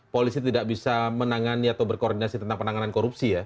polisi tidak bisa menangani atau berkoordinasi tentang penanganan korupsi ya